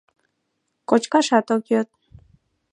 Кочкашат ок йод.